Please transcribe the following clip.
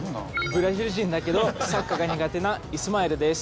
ブラジル人だけどサッカーが苦手なイスマエルです。